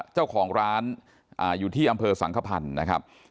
เจ้าของร้านอยู่ที่อำเภอสังขพันธ์นะครับ